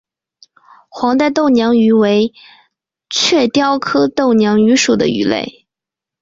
黄带豆娘鱼为雀鲷科豆娘鱼属的鱼类。